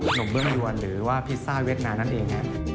หนุ่มเบื้องยวนหรือว่าพิซซ่าเวียดนามนั่นเอง